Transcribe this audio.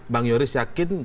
bang yoris yakin